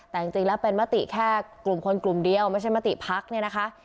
แต่จริงแล้วเป็นมติแค่กลุ่มคนกลุ่มเดียวไม่ใช่มติพักเนี่ยนะคะ